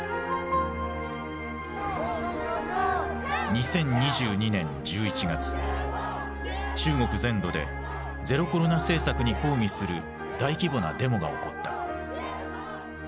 ２０２２年１１月中国全土でゼロコロナ政策に抗議する大規模なデモが起こった。